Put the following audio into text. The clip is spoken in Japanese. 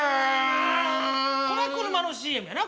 これは車のＣＭやな？